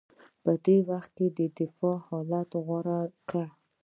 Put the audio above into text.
په دې وخت کې دفاعي حالت غوره کړ